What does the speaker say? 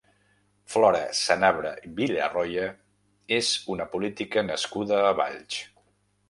Flora Sanabra i Villarroya és una política nascuda a Valls.